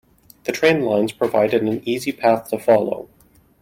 The train lines provided an easy path to follow.